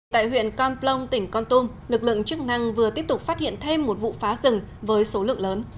tại huyện con plong tỉnh con tum lực lượng chức năng vừa tiếp tục phát hiện thêm một vụ phá rừng với số lượng lớn